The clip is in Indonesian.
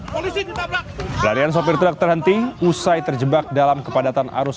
pelarian sopir truk terhenti usai terjebak dalam kepadatan arus